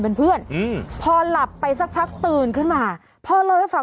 เป็นเพื่อนอืมพอหลับไปสักพักตื่นขึ้นมาพ่อเล่าให้ฟัง